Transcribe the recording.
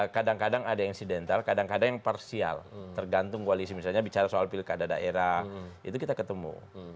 kadang kadang ada yang sidental kadang kadang yang parsial tergantung koalisi misalnya bicara soal pilkada daerah itu kita ketemu